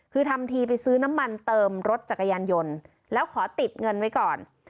คือทำทีไปซื้อน้ำมันเติมรถจักรยานยนต์แล้วขอติดเงินไว้ก่อน